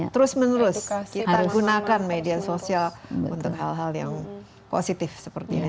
terus menerus kita gunakan media sosial untuk hal hal yang positif seperti ini